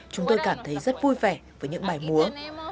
chúng tôi cảm thấy rất vui vẻ với những bài múa